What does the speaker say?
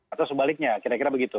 atau sebaliknya kira kira begitu